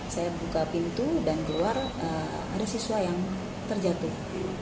saya buka pintu dan keluar ada siswa yang terjatuh